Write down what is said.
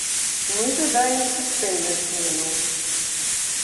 Мы жадаем сістэмных зменаў.